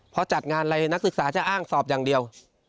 พอจัดงานอะไรนักศึกษาจะอ้างสอบอย่างเดียว